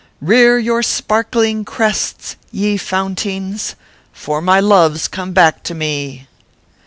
Rear your sparkling crests, ye fountings, For my love s come back to me.